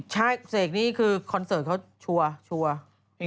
ใช่เสกนี่คือคอนเสิร์ตเขาชัวร์